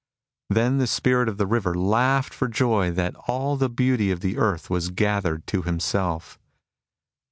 Then the Spirit of the River laughed for joy that all the beauty of the earth was gathered to himself.